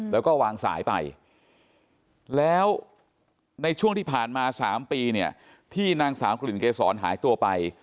แล้วก็วางสายไปแล้วในช่วงที่ผ่านมา๓ปีเนี่ยที่นางสาวกลิ่นเกษรหายตัวไป